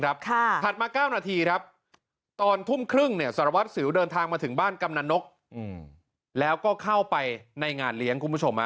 ถัดมา๙นาทีตอนทุ่มครึ่งสารวัสสิวเดินทางมาถึงบ้านกำนานกแล้วก็เข้าไปในงานเลี้ยง